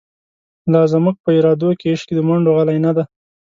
لازموږ په ارادوکی، عشق دمنډوغلی نه دی